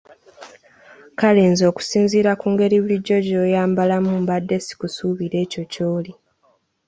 Kale nze okusinziira ku ngeri bulijjo gy’oyambalamu mbadde sikusuubiriza ekyo ky’oli!